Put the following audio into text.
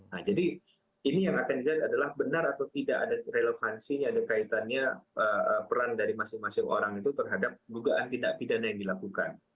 nah jadi ini yang akan dilihat adalah benar atau tidak ada relevansinya ada kaitannya peran dari masing masing orang itu terhadap dugaan tindak pidana yang dilakukan